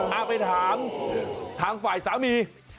เอาไปถามทางฝ่ายสามี